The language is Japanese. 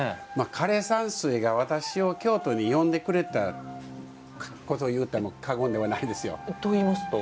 枯山水が私を京都に呼んでくれたこと言うても過言ではないですよ。といいますと？